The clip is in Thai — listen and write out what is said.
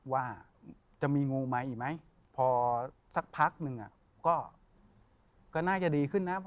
ว่าจะมีงูไหมอีกไหมพอสักพักหนึ่งก็น่าจะดีขึ้นนะ